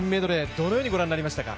どのようにご覧になりましたか。